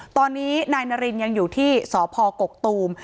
ตอนนี้นายนารินยังอยู่ที่สพกกตูม